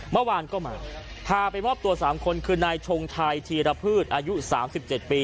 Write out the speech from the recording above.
เมื่อวานก็มาพาไปมอบตัวสามคนคือนายทรงชัยทีระพืชอายุสามสิบเจ็ดปี